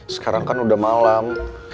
sekarang kan udah malam